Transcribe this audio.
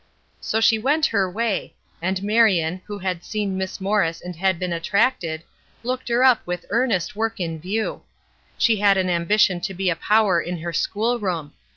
So she went her way, and Marion, who had seen Miss Morris and had been attracted, looked her up with earnest work in view. She had an ambition to be a power in her school room.